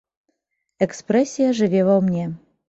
Экспрэсія жыве ўва мне.